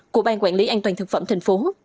của ban quản lý an toàn thực phẩm tp hcm